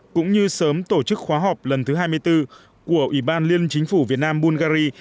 cũng như sớm tổ chức khóa họp lần thứ hai mươi bốn của ủy ban liên chính phủ việt nam bulgari